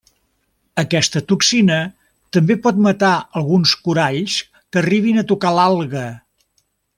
Aquesta toxina també pot matar alguns coralls que arribin a tocar l'alga.